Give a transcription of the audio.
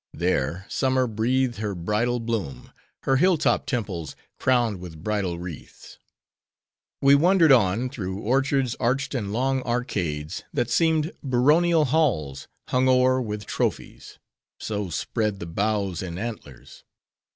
There, summer breathed her bridal bloom; her hill top temples crowned with bridal wreaths. We wandered on, through orchards arched in long arcades, that seemed baronial halls, hung o'er with trophies:—so spread the boughs in antlers.